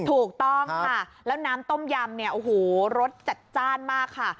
ถูกต้องค่ะแล้วน้ำต้มยำเนี่ยโอ้โหรสจัดจ้านมากค่ะ